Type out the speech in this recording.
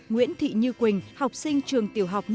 nguyễn thị như quỳnh học sinh trường tiểu học